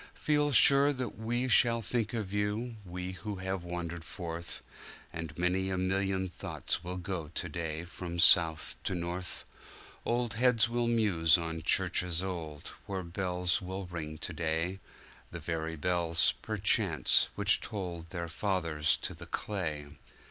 Feel sure that we shall think of you, we who have wandered forth, And many a million thoughts will go to day from south to north; Old heads will muse on churches old, where bells will ring to day—The very bells, perchance, which tolled their fathers to the clay.